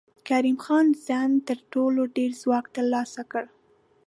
کریم خان زند تر ټولو ډېر ځواک تر لاسه کړ.